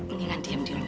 ini kan diam dulu ya